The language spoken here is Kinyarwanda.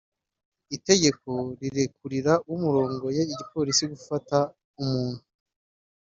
Itegeko rirekurira uwurongoye igipolisi gufata umuntu